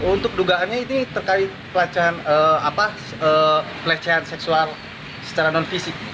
untuk dugaannya ini terkait pelecehan seksual secara non fisik